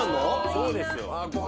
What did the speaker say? そうですよご飯